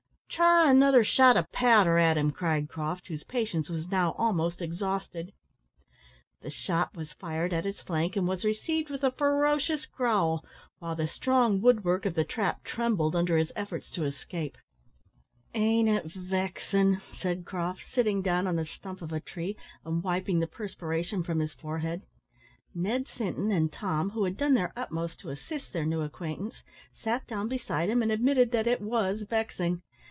"Try another shot of powder at him," cried Croft, whose patience was now almost exhausted. The shot was fired at his flank, and was received with a ferocious growl, while the strong wood work of the trap trembled under his efforts to escape. "Ain't it vexin'?" said Croft, sitting down on the stump of a tree and wiping the perspiration from his forehead. Ned Sinton and Tom, who had done their utmost to assist their new acquaintance, sat down beside him and admitted that it was vexing.